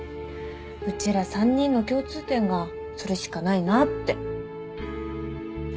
うちら３人の共通点がそれしかないなって。